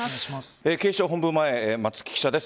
警視庁本部前、松木記者です。